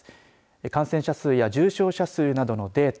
感染者数や重症者数などのデータ